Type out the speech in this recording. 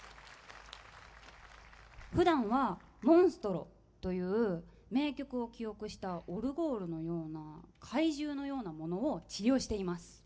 ふだんはモンストロという名曲を記憶したオルゴールのような怪獣のようなものを治療しています。